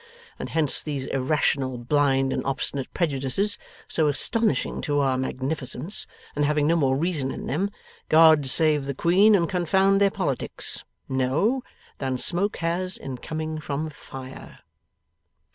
And hence these irrational, blind, and obstinate prejudices, so astonishing to our magnificence, and having no more reason in them God save the Queen and Confound their politics no, than smoke has in coming from fire!